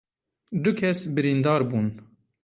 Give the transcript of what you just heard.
Du kes birîndar bûn.